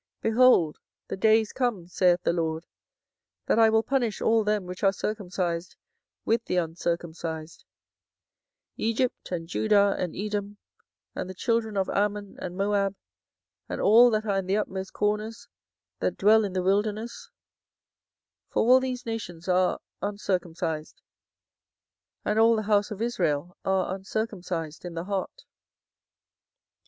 24:009:025 Behold, the days come, saith the LORD, that I will punish all them which are circumcised with the uncircumcised; 24:009:026 Egypt, and Judah, and Edom, and the children of Ammon, and Moab, and all that are in the utmost corners, that dwell in the wilderness: for all these nations are uncircumcised, and all the house of Israel are uncircumcised in the heart.